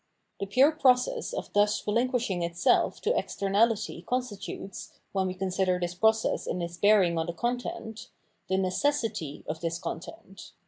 The pure process of thus relinquishing itself to externahty constitutes — when we consider this process in its bearing on the content — the necessity of this content.